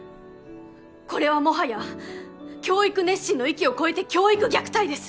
これはもはや教育熱心の域を超えて「教育虐待」です。